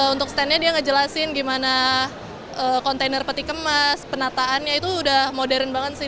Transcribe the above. untuk standnya dia ngejelasin gimana kontainer peti kemas penataannya itu udah modern banget sih